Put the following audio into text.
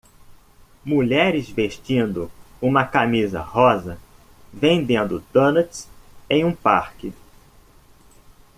mulheres vestindo uma camisa rosa vendendo donuts em um parque.